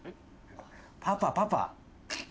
パパパパ。